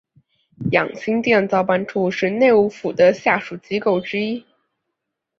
养心殿造办处是内务府的下属机构之一。